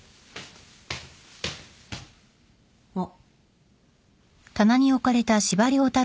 あっ。